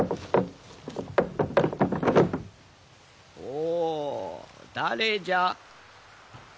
おお誰じゃ？